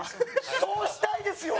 そうしたいですよ